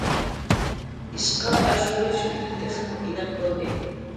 ئىشقا ئاشۇرۇش يولى تېخىمۇ ئېنىق بولدى.